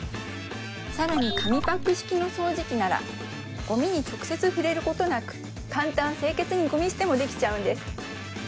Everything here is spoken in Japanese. さらに紙パック式の掃除機ならゴミに直接触れることなく簡単清潔にゴミ捨てもできちゃうんです